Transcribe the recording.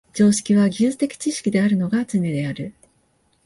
常識は技術的知識であるのがつねである。